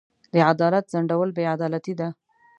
د عدالت ځنډول بې عدالتي ده.